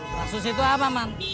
maksudnya itu apa man